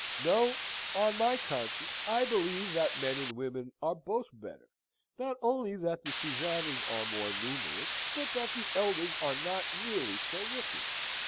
No: on my conscience, I believe that men and women are both better; not only that the Susannas are more numerous, but that the Elders are not nearly so wicked.